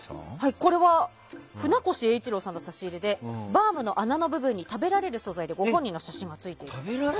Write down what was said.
これは船越英一郎さんの差し入れでバウムの穴の部分に食べられる素材でご本人の写真がついている。